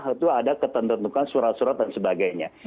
itu ada ketentukan surat surat dan sebagainya